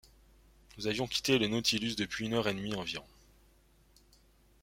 Nous avions quitté le Nautilus depuis une heure et demie environ.